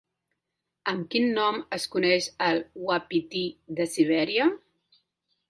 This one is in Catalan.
Amb quin nom es coneix el uapití de Sibèria?